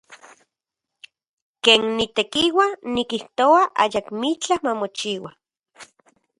Ken nitekiua, nikijtoa ayakmitlaj mamochiua.